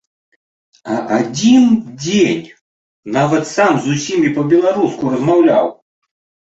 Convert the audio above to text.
А адзін дзень нават сам з усімі па-беларуску размаўляў.